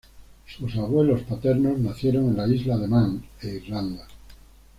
Sus abuelos paternos nacieron en la Isla de Man e Irlanda.